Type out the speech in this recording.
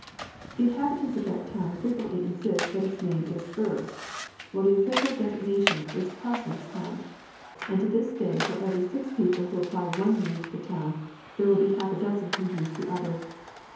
The inhabitants of that town frequently insist that its name is Birr, * while the official designation is Parsonstown, and to this day for every six people who apply one name to the town, there will be half a dozen who use the other.